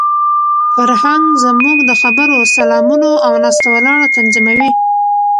فرهنګ زموږ د خبرو، سلامونو او ناسته ولاړه تنظیموي.